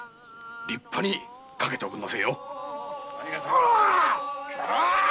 立派に架けておくんなせぇよ。